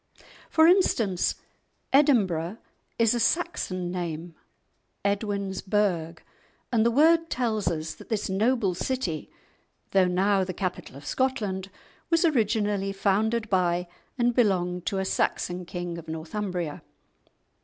For instance, "Edinburgh" is a Saxon name—Edwin's burgh—and the word tells us that this noble city, though now the capital of Scotland, was originally founded by and belonged to a Saxon king of Northumbria.